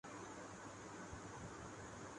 پی F D C fashion week میں اچھوتے design متعارف